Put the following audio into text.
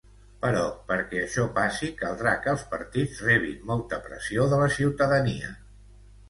Però perquè això passi caldrà que els partits rebin molta pressió de la ciutadania.